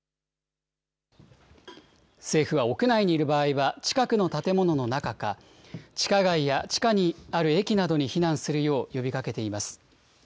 政府は屋内にいる場合は近くの建物の中か、地下街や地下にある駅などに避難するよう呼びかけています。